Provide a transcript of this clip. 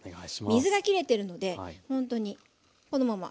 水がきれてるのでほんとにこのまま。